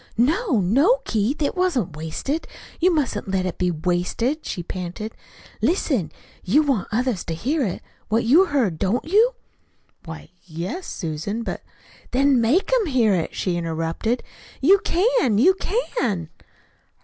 "No, no, Keith, it wasn't wasted you mustn't let it be wasted," she panted. "Listen! You want others to hear it what you heard don't you?" "Why, y yes, Susan; but " "Then make 'em hear it," she interrupted. "You can you can!"